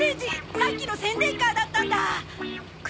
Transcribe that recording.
さっきの宣伝カーだったんだ！